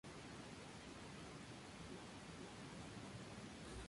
Durante la Segunda Guerra Mundial ampliará su repertorio.